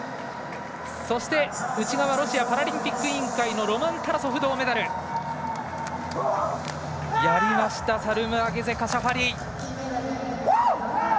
そして、内側ロシアパラリンピック委員会がロマン・タラソフ、銅メダル。やりましたサルムアゲゼ・カシャファリ。